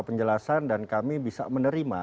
penjelasan dan kami bisa menerima